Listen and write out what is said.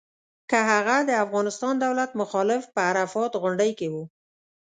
که هغه د افغانستان دولت مخالف په عرفات غونډۍ کې و.